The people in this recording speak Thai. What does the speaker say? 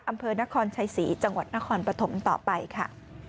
อำเภอนครชัยศรีจังหวัดนครปฐมต่อไปค่ะ